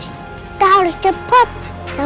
kita harus cepet